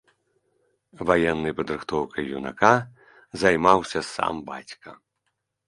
Ваеннай падрыхтоўкай юнака займаўся сам бацька.